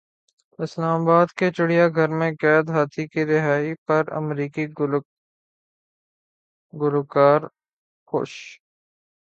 اسلام باد کے چڑیا گھر میں قید ہاتھی کی رہائی پر امریکی گلوکارہ خوش